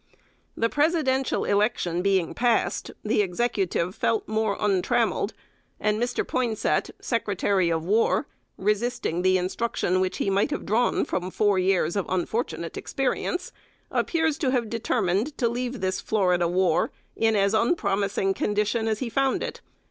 The Presidential election being past, the Executive felt more untrammeled; and Mr. Poinsett, Secretary of War, resisting the instruction which he might have drawn from four years of unfortunate experience, appears to have determined to leave this Florida War in as unpromising condition as he found it.